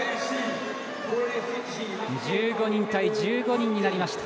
１５人対１５人になりました。